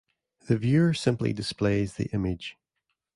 The viewer simply displays the image.